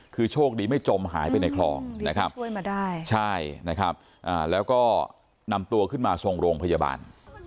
คือโชคดีไม่จมหายไปในคลองแล้วก็นำตัวขึ้นมาทรงโรงพยาบาล